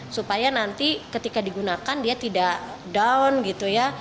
supaya nanti ketika digunakan dia tidak down gitu ya